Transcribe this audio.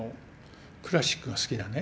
クラシックが好きなね